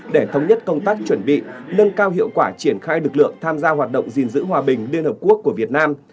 để thống nhất công tác chuẩn bị nâng cao hiệu quả triển khai lực lượng tham gia hoạt động gìn giữ hòa bình liên hợp quốc của việt nam